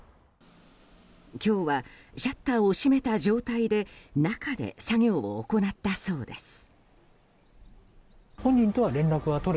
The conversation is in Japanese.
今日はシャッターを閉めた状態で中で作業を行ったそうです。